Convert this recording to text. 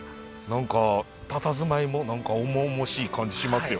何かたたずまいも重々しい感じしますよ。